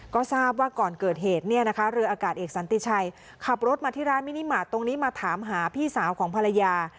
ก็ทราบว่าก่อนเกิดเหตุเนี่ยนะคะเรืออากาศเอกสันติชัยขับรถมาที่ร้านมินิมาตรตรงนี้มาถามหาพี่สาวของภรรยา